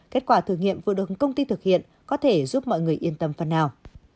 kết quả thử nghiệm vừa được công ty thực hiện có thể giúp mọi người yên tâm phần nào